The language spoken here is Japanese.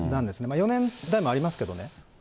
４年もありますけどね。